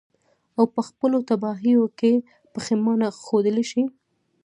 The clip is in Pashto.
او په خپلو تباهيو ئې پښېمانه ښودلے شي.